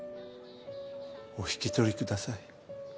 お引き取りください